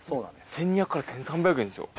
１２００から１３００円ですよ。